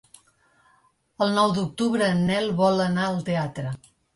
El nou d'octubre en Nel vol anar al teatre.